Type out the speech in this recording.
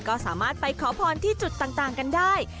ก็สามารถไปขอพรที่จุดต่างกันได้